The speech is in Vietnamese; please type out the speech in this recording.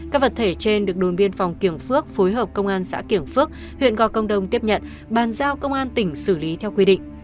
các vật thể trên được đồn biên phòng kiểng phước phối hợp công an xã kiểng phước huyện gò công đông tiếp nhận bàn giao công an tỉnh xử lý theo quy định